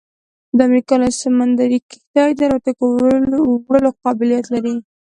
د امریکا لویه سمندري کشتۍ د الوتکو وړلو قابلیت لري